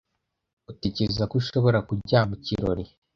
Utekereza ko ushobora kujya mu kirori?